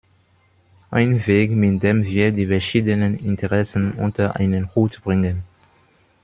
Ein Weg, mit dem wir die verschiedenen Interessen unter einen Hut bringen.